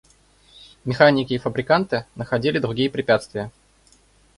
Механики и фабриканты находили другие препятствия.